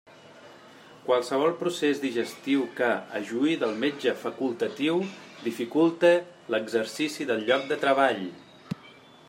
Qualsevol procés digestiu que, a juí del metge facultatiu, dificulte l'exercici del lloc de treball.